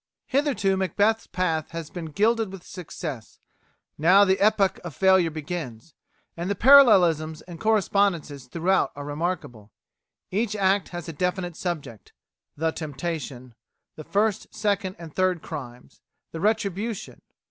Hitherto Macbeth's path has been gilded with success; now the epoch of failure begins. And the parallelisms and correspondences throughout are remarkable. Each act has a definite subject: The Temptation; The First, Second, and Third Crimes; The Retribution.